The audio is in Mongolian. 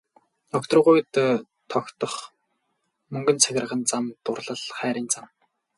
Огторгуйд тогтох мөнгөн цагирган зам дурлал хайрын зам.